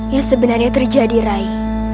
yang sebenarnya terjadi rai